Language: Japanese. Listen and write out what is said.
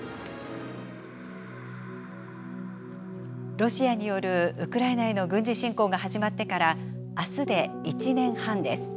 ロシアによるウクライナへの軍事侵攻が始まってから、あすで１年半です。